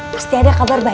pasti ada kabar rumah